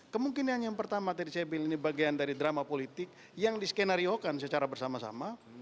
kemungkinan yang pertama tadi saya bilang ini bagian dari drama politik yang diskenariokan secara bersama sama